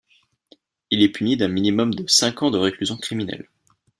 Il est puni d'un minimum de cinq ans de réclusion criminelle.